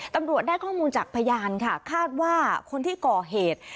ตำรวจได้ข้อมูลจากพยานค่ะคาดว่าคนที่ก่อเหตุ